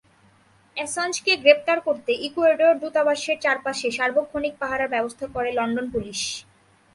অ্যাসাঞ্জকে গ্রেপ্তার করতে ইকুয়েডর দূতাবাসের চারপাশে সার্বক্ষণিক পাহারার ব্যবস্থা করে লন্ডন পুলিশ।